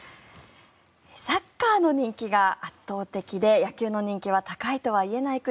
サッカーの人気が圧倒的で野球の人気は高いとは言えない国